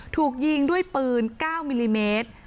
ถูกยิงด้วยปืน๙มิลลิเมตร